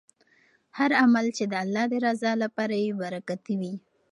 هر عمل چې د الله د رضا لپاره وي برکتي وي.